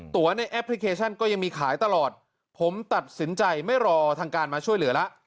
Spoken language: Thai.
ในแอปพลิเคชันก็ยังมีขายตลอดผมตัดสินใจไม่รอทางการมาช่วยเหลือแล้ว